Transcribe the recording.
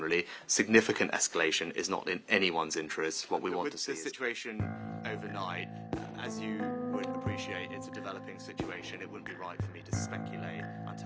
dan lebih secara general eskalasi yang signifikan tidak diinginkan oleh siapa pun